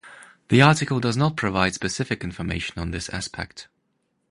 The article does not provide specific information on this aspect.